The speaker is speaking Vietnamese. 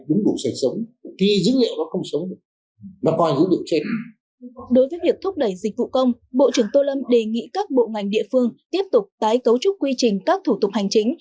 đối với việc thúc đẩy dịch vụ công bộ trưởng tô lâm đề nghị các bộ ngành địa phương tiếp tục tái cấu trúc quy trình các thủ tục hành chính